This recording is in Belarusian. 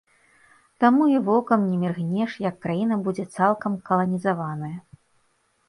Таму і вокам не міргнеш, як краіна будзе цалкам каланізаваная.